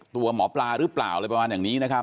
ตัวหมอปลาหรือเปล่าอะไรประมาณอย่างนี้นะครับ